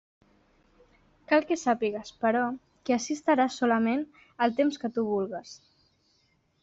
Cal que sàpigues, però, que ací estaràs solament el temps que tu vulgues.